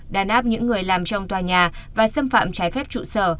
đàn áp những người làm trong tòa nhà và xâm phạm trái phép trụ sở